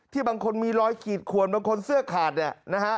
บางคนมีรอยขีดขวนบางคนเสื้อขาดเนี่ยนะฮะ